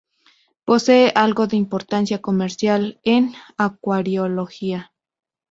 Posee algo de importancia comercial en acuariología.